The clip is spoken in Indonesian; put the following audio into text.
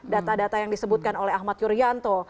data data yang disebutkan oleh ahmad yuryanto